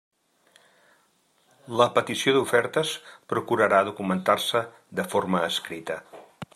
La petició d'ofertes procurarà documentar-se de forma escrita.